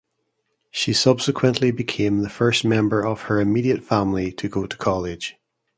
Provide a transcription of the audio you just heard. She subsequently became the first member of her immediate family to go to college.